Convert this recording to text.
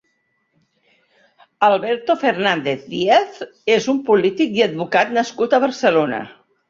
Alberto Fernández Díaz és un polític i advocat nascut a Barcelona.